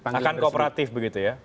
akan kooperatif begitu ya